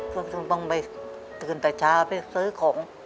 ต้องไปตื่นแต่เช้าไปซื้อของ